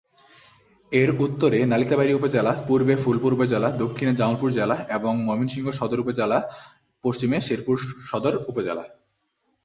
এর উত্তরে নালিতাবাড়ী উপজেলা, পূর্বে ফুলপুর উপজেলা, দক্ষিণে জামালপুর জেলা এবং ময়মনসিংহ সদর উপজেলা, পশ্চিমে শেরপুর সদর উপজেলা।